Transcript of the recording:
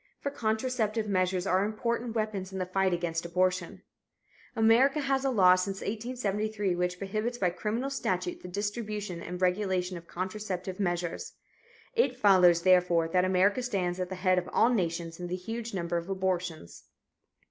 For contraceptive measures are important weapons in the fight against abortion. "America has a law since 1873 which prohibits by criminal statute the distribution and regulation of contraceptive measures. It follows, therefore, that America stands at the head of all nations in the huge number of abortions."